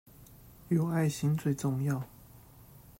有愛心最重要